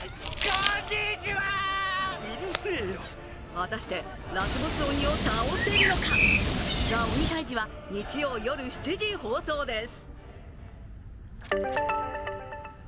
果たしてラスボス鬼を倒せるのか、「ＴＨＥ鬼タイジ」は日曜夜７時放送です。